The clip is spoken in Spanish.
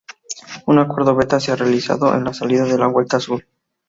Un acuerdo beta se ha realizado en "la salida de la Vuelta Azul".